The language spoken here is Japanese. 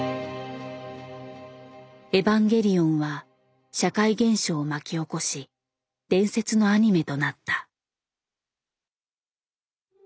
「エヴァンゲリオン」は社会現象を巻き起こし伝説のアニメとなった。